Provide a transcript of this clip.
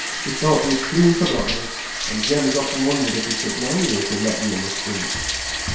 We thought you'd clean forgotten us; and Jem has often wondered if he should know you, if he met you in the street."